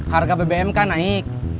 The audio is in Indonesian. harga bbm kan naik